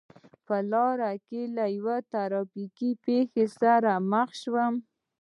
په لار کې له یوې ترا فیکې پېښې سره مخ شوم.